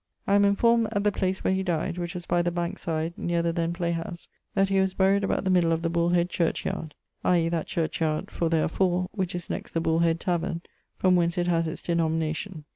I am enformed at the place where he dyed, which was by the Bankes side neer the then playhouse, that he was buryed about the middle of the Bullhead churchyard i.e. that churchyard (for there are four) which is next the Bullhead taverne, from whence it has its denomination.